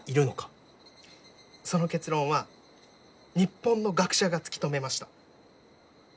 その結論は日本の学者が突き止めました。